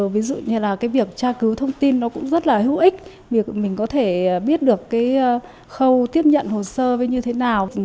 ví dụ như việc tra cứu thông tin cũng rất là hữu ích việc mình có thể biết được khâu tiếp nhận hồ sơ như thế nào